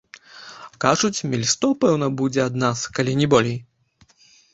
Кажуць, міль сто пэўна будзе ад нас, калі не болей?